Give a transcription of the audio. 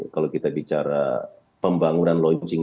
kalau kita bicara pembangunan launching